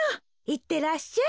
いってらっしゃい。